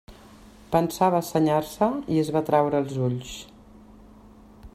Pensava senyar-se i es va traure els ulls.